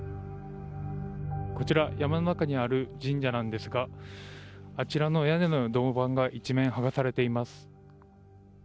こちら山の中にある神社なんですがあちらの屋根の銅板が一面、剥がされています。